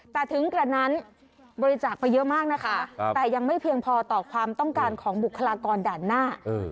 แต่ถึงกระนั้นบริจาคไปเยอะมากนะคะแต่ยังไม่เพียงพอต่อความต้องการของบุคลากรด่านหน้า